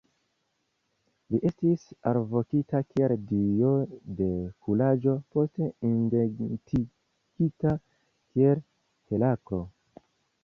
Li estis alvokita kiel dio de kuraĝo, poste identigita kiel Heraklo.